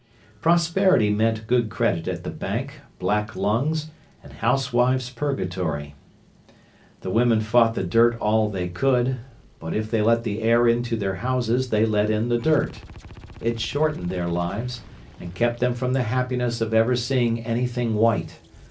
"Prosperity" meant good credit at the bank, black lungs, and housewives' Purgatory. The women fought the dirt all they could; but if they let the air into their houses they let in the dirt. It shortened their lives, and kept them from the happiness of ever seeing anything white.